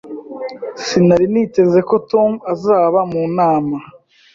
Sinari niteze ko Tom azaba mu nama.